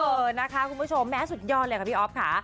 เออนะคะคุณผู้ชมแม่สุดยอดเลยค่ะพี่อ๊อฟค่ะ